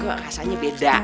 kok rasanya beda